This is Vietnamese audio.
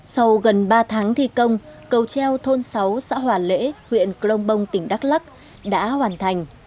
sau gần ba tháng thi công cầu treo thôn sáu xã hòa lễ huyện crong bông tỉnh đắk lắc đã hoàn thành